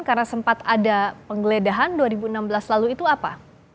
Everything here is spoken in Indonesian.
karena sempat ada penggeledahan dua ribu enam belas lalu itu apa